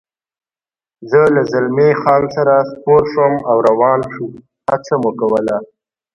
زه له زلمی خان سره سپور شوم او روان شو، هڅه مو کول.